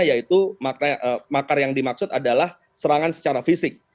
yaitu makar yang dimaksud adalah serangan secara fisik